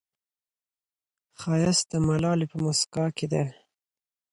ښایست د ملالې په موسکا کې دی